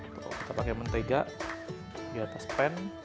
kalau kita pakai mentega di atas pan